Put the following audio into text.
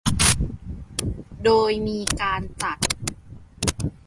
โดยมีการจัด